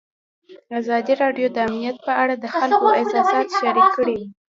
ازادي راډیو د امنیت په اړه د خلکو احساسات شریک کړي.